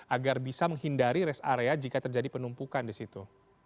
agar bisa menghindari rest area jika terjadi penumpukan di situ